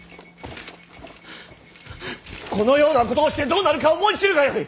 このようなことをしてどうなるか思い知るがよい！